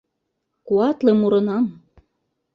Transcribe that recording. Куатле мурынам.